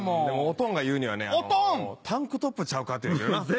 でもオトンが言うにはねタンクトップちゃうか？って言うんやけどな。